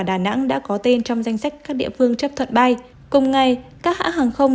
đà nẵng đã có tên trong danh sách các địa phương chấp thuận bay cùng ngày các hãng hàng không